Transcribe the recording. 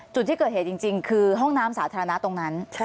จุดที่เกิดเหตุจริงคือห้องน้ำสาธารณะตรงนั้น